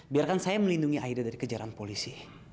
biarkan saya melindungi aida dari kejaran polisi